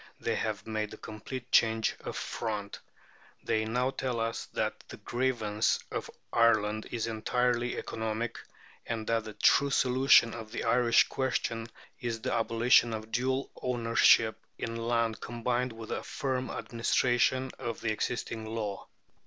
They have made a complete change of front. They now tell us that the grievance of Ireland is entirely economic, and that the true solution of the Irish question is the abolition of dual ownership in land combined with a firm administration of the existing law.